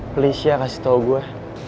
please ya kasih tau gua